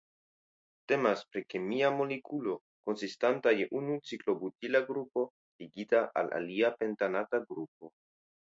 Temas pri kemia molekulo konsistanta je unu ciklobutila grupo ligita al alia pentanata grupo.